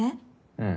うん。